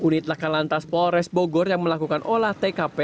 setelah kalantas polres bogor yang melakukan olah tkp